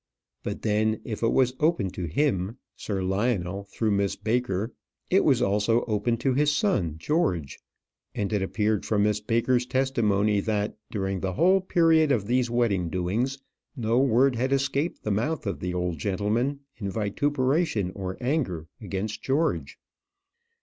But then, if it was open to him, Sir Lionel, through Miss Baker, it was also open to his son George. And it appeared from Miss Baker's testimony that, during the whole period of these wedding doings, no word had escaped the mouth of the old gentleman in vituperation or anger against George.